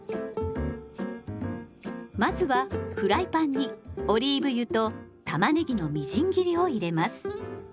まずはフライパンにオリーブ油とたまねぎのみじん切りを入れます。